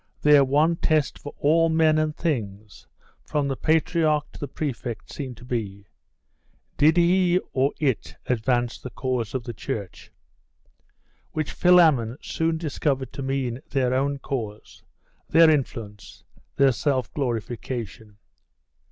Their one test for all men and things, from the patriarch to the prefect, seemed to be did he or it advance the cause of the Church? which Philammon soon discovered to mean their own cause, their influence, their self glorification.